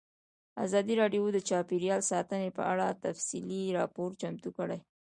ازادي راډیو د چاپیریال ساتنه په اړه تفصیلي راپور چمتو کړی.